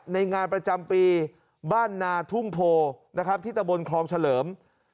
ในงานประจำปีบ้านนาทุ่งโพนะครับที่ตะบนคลองเฉลิม